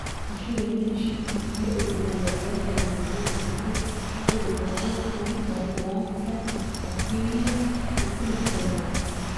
Inshuro nyinshi iyo u Rwanda rwazamuye ijwi ruvuga ko hari Abafaransa bakwiriye gukurikiranwa